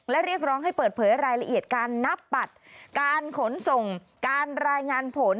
และเรียกร้องให้เปิดเผยรายละเอียดการนับบัตรการขนส่งการรายงานผล